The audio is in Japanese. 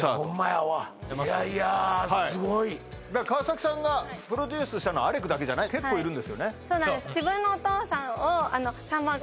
やわいやいやすごい川崎さんがプロデュースしたのアレクだけじゃない結構いるんですよねそうなんです